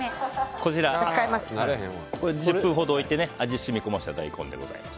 こちら、１０分ほど置いて味を染み込ませた大根です